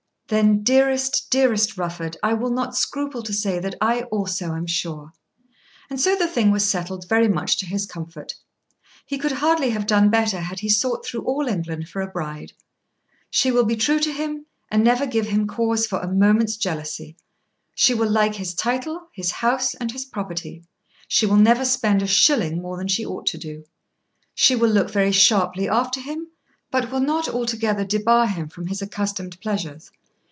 "Then dearest, dearest Rufford, I will not scruple to say that I also am sure." And so the thing was settled very much to his comfort. He could hardly have done better had he sought through all England for a bride. She will be true to him, and never give him cause for a moment's jealousy. She will like his title, his house, and his property. She will never spend a shilling more than she ought to do. She will look very sharply after him, but will not altogether debar him from his accustomed pleasures.